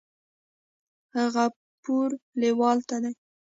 غفور لیوال ته دې